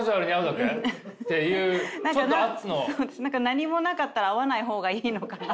何もなかったら会わない方がいいのかな。